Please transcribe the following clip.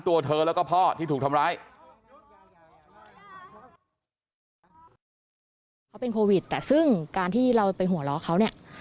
แต่ซึ่งการที่เราไปหัวเราะเขาเนี่ย